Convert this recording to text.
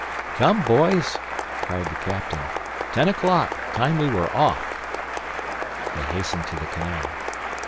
"Come, boys!" cried the captain. "Ten o'clock, time we were off!" They hastened to the canal.